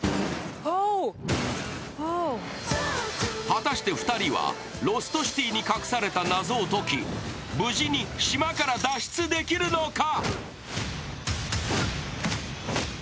果たして２人は、ロストシティに隠された謎を解き、無事に島から脱出できるのか。